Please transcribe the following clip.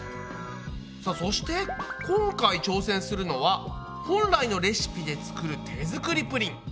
さあそして今回挑戦するのは本来のレシピで作る手作りプリン。